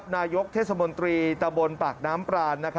นายกเทศมนตรีตะบนปากน้ำปราน